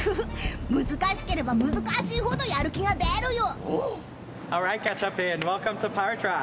難しければ難しいほどやる気が出るよ。